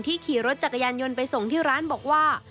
ขี่รถจักรยานยนต์ไปส่งที่ร้านบอกว่า